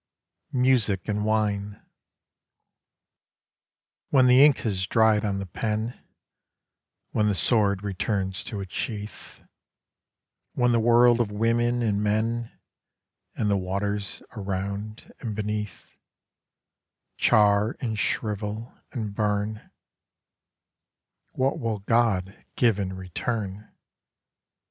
MUSIC AND WINE When the ink has dried on the pen, When the sword returns to its sheath; When the world of women and men, And the waters around and beneath, Char and shrivel and burn What will God give in return?...